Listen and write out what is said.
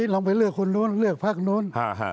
ลองไปเลือกคนโน้นเลือกภาคโน้น